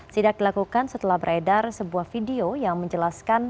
sidak dilakukan setelah beredar sebuah video yang menjelaskan